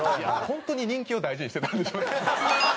本当に人気を大事にしてたんでしょうね。